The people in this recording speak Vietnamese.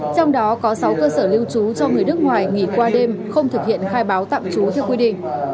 trong đó có sáu cơ sở lưu trú cho người nước ngoài nghỉ qua đêm không thực hiện khai báo tạm trú theo quy định